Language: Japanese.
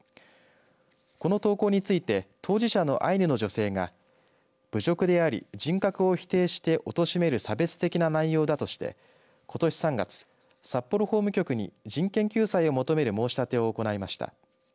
この投稿について当事者のアイヌの女性が侮辱であり人格を否定しておとしめる差別的な内容だとしてことし３月、札幌法務局に人権救済を求める申し立てを行いました。